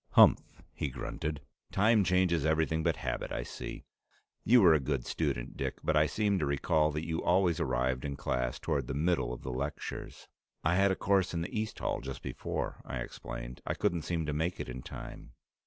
"Humph!" he grunted. "Time changes everything but habit, I see. You were a good student, Dick, but I seem to recall that you always arrived in class toward the middle of the lecture." "I had a course in East Hall just before," I explained. "I couldn't seem to make it in time."